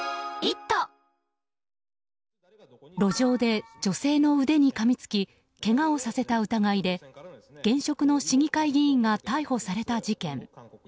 路上で女性の腕にかみつきけがをさせた疑いで現職の市議会議員が逮捕された事件。